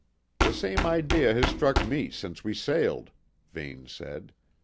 "The same idea has struck me since we sailed," Vane said.